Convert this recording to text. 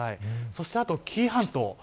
そして紀伊半島。